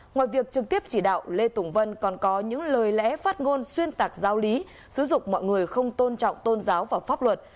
ngoài việc trực tiếp chỉ đạo lê tùng vân còn có những lời lẽ phát ngôn xuyên tạc giáo lý xú dục mọi người không tôn trọng tôn giáo và pháp luật